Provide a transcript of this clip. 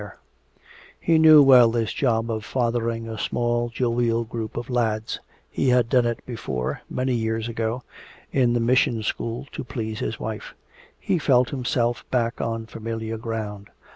He knew well this job of fathering a small jovial group of lads; he had done it before, many years ago, in the mission school, to please his wife; he felt himself back on familiar ground.